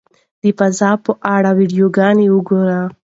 د فضا په اړه ویډیوګانې وګورئ.